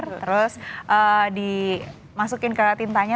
terus dimasukin ke tintanya